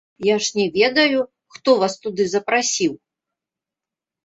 Я ж не ведаю, хто вас туды запрасіў.